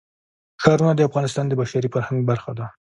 ښارونه د افغانستان د بشري فرهنګ برخه ده.